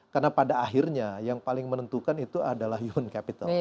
karena pada akhirnya yang paling menentukan itu adalah human capital